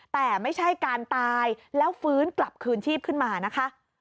แต่ไม่ใช่การตายแล้วฟื้นกลับคืนชีพขึ้นมานะคะ